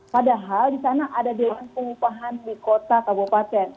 padahal di sana ada dewan pengupahan di kota kabupaten